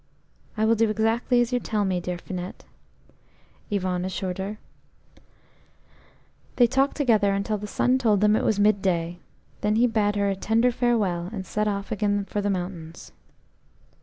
"I will do exactly as you tell me, dear Finette," Yvon assured her. They talked together until the sun told them it was midday; then he bade her a tender farewell, and set off again for the mountains.